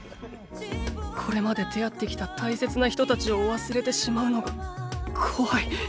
これまで出会ってきた大切な人たちを忘れてしまうのが怖い。